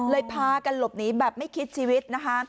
พากันหลบหนีแบบไม่คิดชีวิตนะคะ